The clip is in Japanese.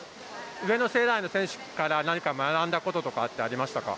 上の世代の選手から何か学んだこととかってありましたか？